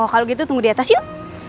kalau gitu tunggu di atas yuk